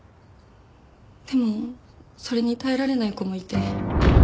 でもそれに耐えられない子もいて。